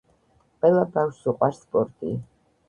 ყველა ბავშვს უყვარს სპორტი.